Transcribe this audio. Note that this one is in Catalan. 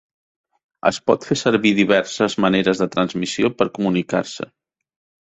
Es pot fer servir diverses maneres de transmissió per comunicar-se.